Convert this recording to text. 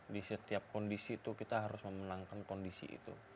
di setiap kondisi itu kita harus memenangkan kondisi itu